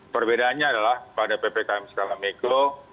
perbedaannya adalah pada ppkm skala mikro